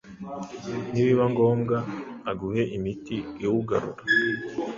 nibiba ngombwa aguhe imiti iwugarura